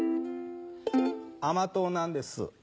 甘党なんです。